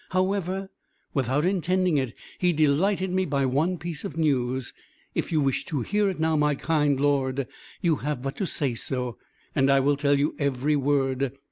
However, without intending it he delighted me by one piece of news. If you wish to hear it, now, my kind lord, you have but to say so, and I will tell you every word.